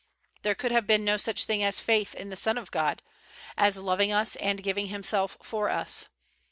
There could have been no such thing as faith in the Son of God '' as loving us and giving Himself for us."